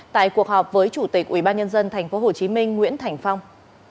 tại cuộc họp với chủ tịch ubnd tp hcm nguyễn thành phong